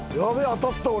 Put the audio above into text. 当たった俺。